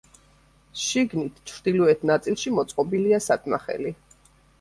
შიგნით ჩრდილოეთ ნაწილში, მოწყობილია საწნახელი.